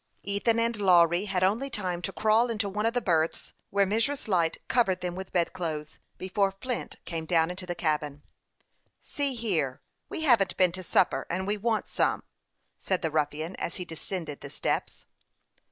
Ethan and Lawry had only time to crawl into one of the berths, where Mrs. Light covered them with bed clothes, before Flint came down into the cabin. " See here ; we haven't been to supper, and we want some," said the ruffian, as he descended the steps.